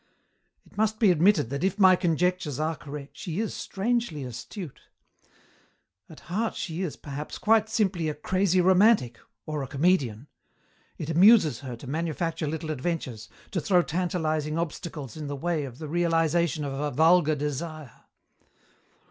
"It must be admitted that if my conjectures are correct she is strangely astute. At heart she is, perhaps, quite simply a crazy romantic or a comedian. It amuses her to manufacture little adventures, to throw tantalizing obstacles in the way of the realization of a vulgar desire.